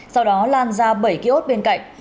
sau đó lan ra bảy ký ốt bên cạnh